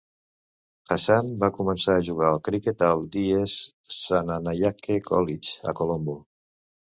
Hashan va començar a jugar al criquet al D. S. Senanayake College, a Colombo.